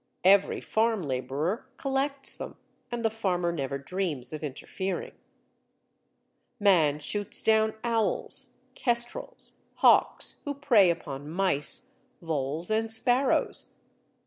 Every farm labourer collects them, and the farmer never dreams of interfering. Man shoots down owls, kestrels, hawks, who prey upon mice, voles, and sparrows.